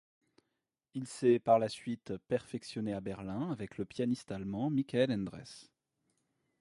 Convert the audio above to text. Il s’est par la suite perfectionné à Berlin avec le pianiste allemand Michael Endres.